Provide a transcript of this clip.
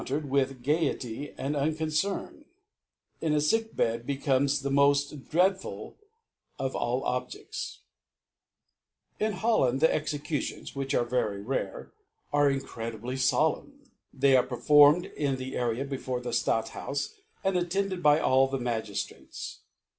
tered with Gaiety and Un * concern, in a Sickbed becomes the molt * dreadful of all Objefts/ ♦ Montagne^ Eflay 19, K 2 (196) In Holland^ the Executions (which sire very rare) are incredibly fblemn. They arc performed in the Area before the Stadt houfe, and attended by all the Magiftrates.